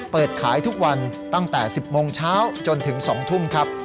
เปิดขายทุกวันตั้งแต่๑๐โมงเช้าจนถึง๒ทุ่มครับ